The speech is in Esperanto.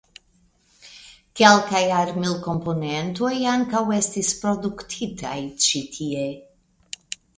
Kelkaj armilkomponentoj ankaŭ estis produktitaj ĉi tie.